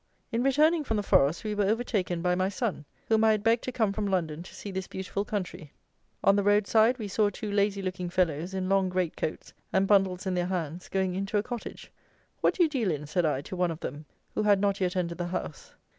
In returning from the forest we were overtaken by my son, whom I had begged to come from London to see this beautiful country. On the road side we saw two lazy looking fellows, in long great coats and bundles in their hands, going into a cottage. "What do you deal in?" said I, to one of them, who had not yet entered the house.